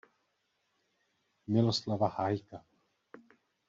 Miloslava Hájka.